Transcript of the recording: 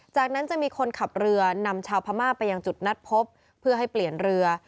จากนั้นจะมีคนขับเรือนำชาวพม่าไปยังจุดนัดพบเพื่อให้เปลี่ยนเรือ